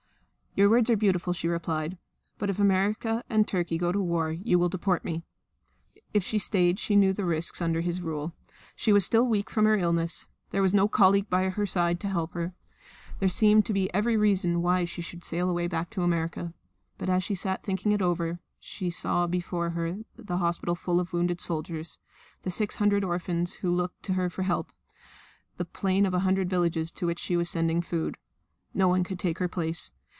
"Your words are beautiful," she replied. "But if American and Turkey go to war you will deport me." If she stayed she knew the risks under his rule. She was still weak from her illness. There was no colleague by her side to help her. There seemed to be every reason why she should sail away back to America. But as she sat thinking it over she saw before her the hospital full of wounded soldiers, the six hundred orphans who looked to her for help, the plain of a hundred villages to which she was sending food. No one could take her place.